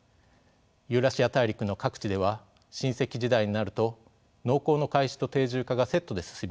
ユーラシア大陸の各地では新石器時代になると農耕の開始と定住化がセットで進みました。